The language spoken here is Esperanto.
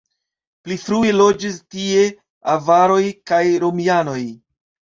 Pli frue loĝis tie avaroj kaj romianoj.